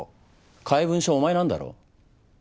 怪文書はお前なんだろ？